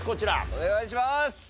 お願いします！